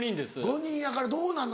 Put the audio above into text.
５人やからどうなんの？